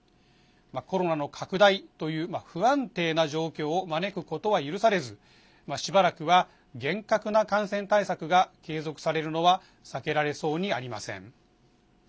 コロナの拡大という不安定な状況を招くことは許されずしばらくは厳格な感染対策が継続されるのは避けられそうにありません。